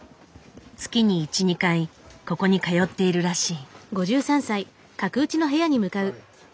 月に１２回ここに通っているらしい。